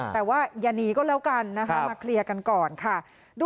แต่ว่าอย่าหนีก็แล้วกันนะคะมาเคลียร์กันก่อนค่ะ